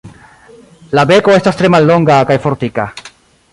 La beko estas tre mallonga kaj fortika.